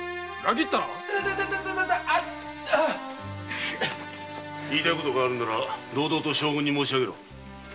言いたいことがあるなら堂々と将軍に申しあげろ。